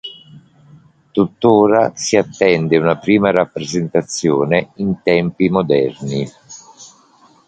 Tuttora si attende una prima rappresentazione in tempi moderni.